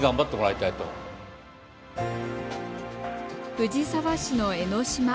藤沢市の江の島。